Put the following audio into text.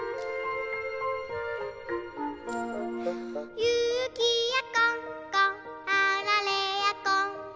「ゆきやこんこあられやこんこ」